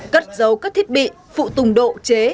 cất dấu các thiết bị phụ tùng độ chế